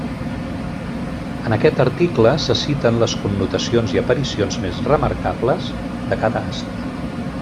En aquest article se citen les connotacions i aparicions més remarcables de cada astre.